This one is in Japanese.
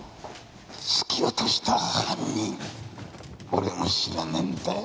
突き落とした犯俺も知らねぇんだよ